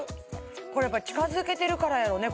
これやっぱり近づけているからやろね